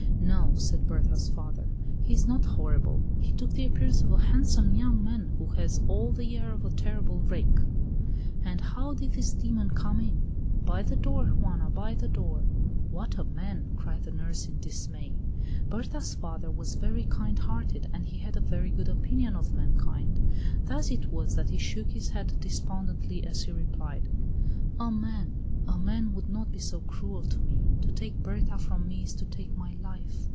"No," said Berta's father, "he is not horrible; he took the appearance of a handsome young man who has all the air of a terrible rake." "And how did this demon come in?" "By the door, Juana, by the door." "What a man!" cried the nurse in dismay. Berta's father was very kind hearted, and he had a very good opinion of mankind; thus it was that he shook his head despondently as he replied: "A man! A man would not be so cruel to me. To take Berta from me is to take my life.